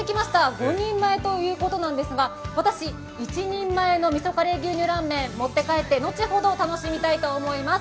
５人前ということなんですが、私、１人前の味噌カレー牛乳ラーメン、持って帰って後ほど楽しみたいと思います。